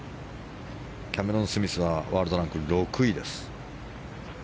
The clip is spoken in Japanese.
キャメロン・スミスはワールドランク６位です。